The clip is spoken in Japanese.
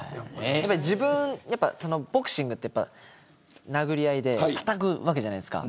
ボクシングは殴り合いでたたくわけじゃないですか。